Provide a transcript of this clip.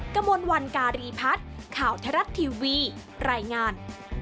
กระมวลวันการีพัฒน์ข่าวทรัฐทีวีรายงาน